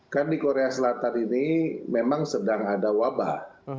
kan di korea selatan ini memang sedang ada wabah